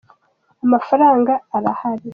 amafaranga arahari